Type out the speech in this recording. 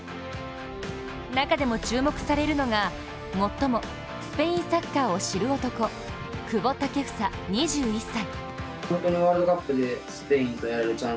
中でも注目されるのが、最もスペインサッカーを知る男、久保建英２１歳。